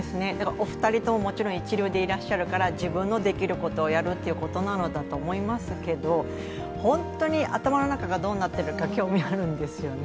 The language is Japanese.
お二人とももちろん一流ですから自分のできることをやるっていうことなのだと思いますけど本当に頭の中がどうなってるか興味あるんですよね。